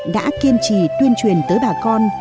đã kiên trì tuyên truyền tới bà con